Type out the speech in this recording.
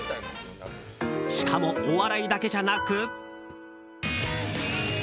しかも、お笑いだけじゃなく。